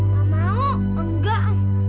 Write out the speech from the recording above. gak mau enggak